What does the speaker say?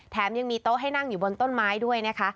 ยังมีโต๊ะให้นั่งอยู่บนต้นไม้ด้วยนะคะ